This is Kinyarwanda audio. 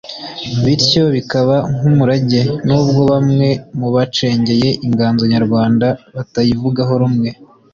bityo bikaba nk’umurage, nubwo bamwe mubacengeye inganzo nyarwanda batayivugaho rumwe.